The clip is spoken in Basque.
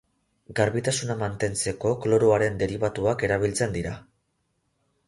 Garbitasuna mantentzeko kloroaren deribatuak erabiltzen dira.